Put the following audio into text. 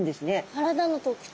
体の特徴。